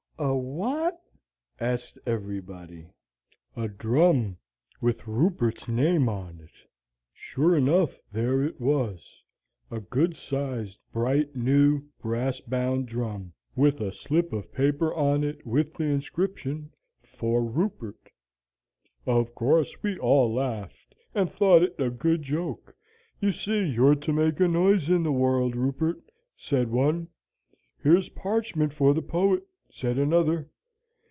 "'A what?' asked everybody. "'A drum! with Rupert's name on it?' "Sure enough there it was. A good sized, bright, new, brass bound drum, with a slip of paper on it, with the inscription, 'FOR RUPERT.' "Of course we all laughed, and thought it a good joke. 'You see you're to make a noise in the world, Rupert!' said one. 'Here's parchment for the poet,' said another.